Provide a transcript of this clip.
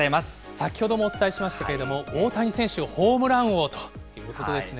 先ほどもお伝えしましたけれども、大谷選手、ホームラン王ということですね。